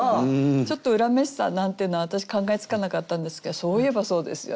ちょっと恨めしさなんていうのは私考えつかなかったんですけどそういえばそうですよね。